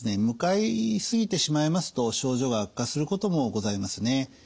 向かいすぎてしまいますと症状が悪化することもございますね。